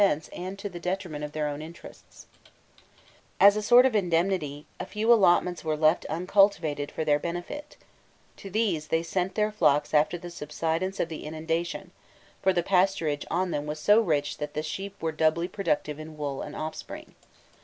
jpg COLLOSAL STATUE OF A KING] As a sort of indemnity, a few allotments were left uncultivated for their benefit; to these they sent their flocks after the subsidence of the inundation, for the pasturage on them was so rich that the sheep were doubly productive in wool and offspring.